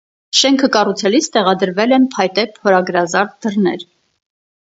Շենքը կառուցելիս տեղադրվել են փայտե փորագրազարդ դռներ։